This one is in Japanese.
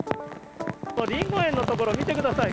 リンゴ園のところ見てください。